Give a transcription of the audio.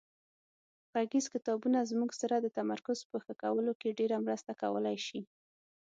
غږیز کتابونه زموږ سره د تمرکز په ښه کولو کې ډېره مرسته کولای شي.